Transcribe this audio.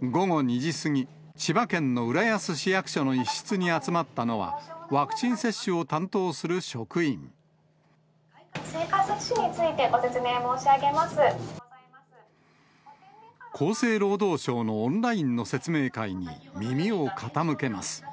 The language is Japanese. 午後２時過ぎ、千葉県の浦安市役所の一室に集まったのは、ワクチン接種を担当す追加接種についてご説明申し厚生労働省のオンラインの説明会に、耳を傾けます。